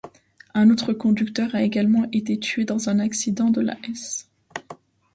Un autre conducteur a également été tué dans un accident dans la Hesse.